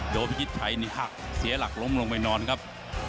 พิชิตชัยนี่หักเสียหลักล้มลงไปนอนครับ